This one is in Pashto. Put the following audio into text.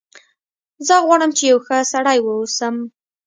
زه غواړم چې یو ښه سړی و اوسم